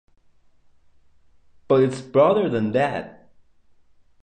But it's broader than that.